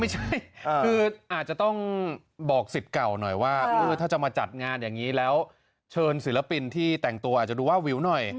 ไม่ใช่คืออาจจะต้องบอกสิทธิ์เก่าหน่อยว่าถ้าจะมาจัดงานอย่างนี้แล้วเชิญศิลปินที่แต่งตัวอาจจะดูว่าวิวหน่อย